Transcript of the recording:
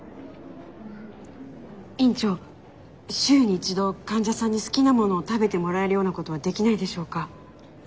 週に１度患者さんに好きなものを食べてもらえるようなことはできないでしょうか？